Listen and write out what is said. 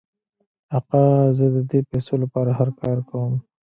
آقا زه د دې پیسو لپاره هر کار کوم.